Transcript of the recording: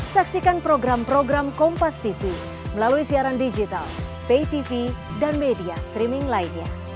saksikan program program kompastv melalui siaran digital paytv dan media streaming lainnya